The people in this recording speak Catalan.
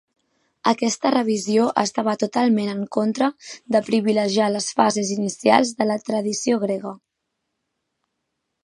Aquesta revisió estava totalment en contra de privilegiar les fases inicials de la tradició grega.